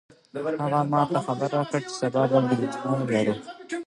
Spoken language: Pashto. هغې ما ته خبر راکړ چې سبا به مېلمانه لرو